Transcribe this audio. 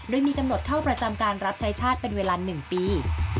โดยมีกำหนดเข้าประจำการรับใช้ชาติเป็นเวลา๑ปี